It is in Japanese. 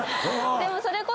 でもそれこそ。